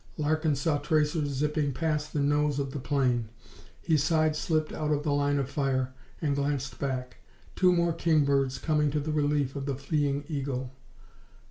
Larkin saw tracers zipping past the nose of the plane. He side slipped, out of the line of fire, and glanced back. Two more kingbirds coming to the relief of the fleeing eagle.